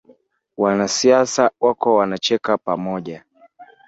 Wanasiasa wako wanacheka kwa Pamoja.